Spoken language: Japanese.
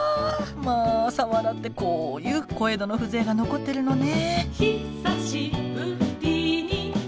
まあ佐原ってこういう小江戸の風情が残ってるのね。